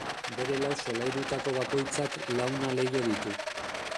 Bere lau solairutako bakoitzak launa leiho ditu.